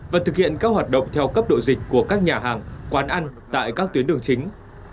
và thực hiện các hoạt động theo cấp độ dịch của các nhà hàng quán ăn tại các tuyến đường chính